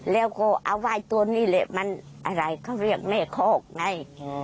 แล้วก็เอาไหว้ตัวนี้แหละมันอะไรเขาเรียกแม่คอกไง